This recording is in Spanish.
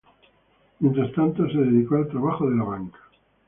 Mientras tanto, se dedicó al trabajo de la banca.